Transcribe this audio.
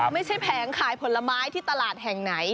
แผงขายผลไม้ที่ตลาดแห่งไหน